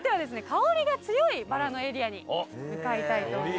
香りが強いバラのエリアに向かいたいと思います。